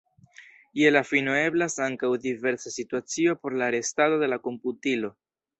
Je la fino eblas ankaŭ diversa situacio por la restado de la komputilo.